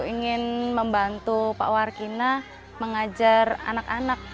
ingin membantu pak warkina mengajar anak anak